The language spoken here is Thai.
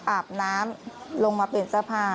อาบน้ำลงมาเปลี่ยนเสื้อผ้า